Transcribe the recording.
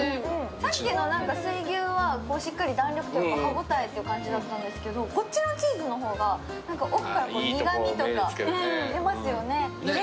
さっきの水牛はしっかり弾力とか歯応えって感じでしたけどこっちのチーズの方が奥から苦みというか、出ますよね。